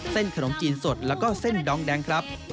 ขนมจีนสดแล้วก็เส้นดองแดงครับ